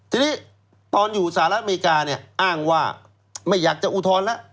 ทีนี้ตอนอยู่สหรัฐอเมริกาเนี่ยอ้างว่าไม่อยากจะอุทธรณ์แล้ว